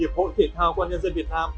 hiệp hội thể thao công an nhân dân việt nam